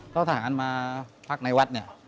เพราะทหารมาพักในวัด